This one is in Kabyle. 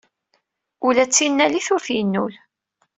Ula d tinnalit ur t-yennul.